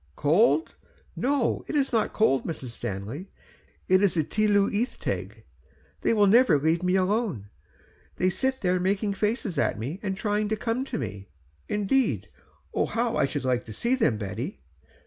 "Cold! no. It is not cold, Mrs. Stanley; it is the Tylwyth Teg; they never will leave me alone, there they sit making faces at me, and trying to come to me." "Indeed! oh how I should like to see them, Betty."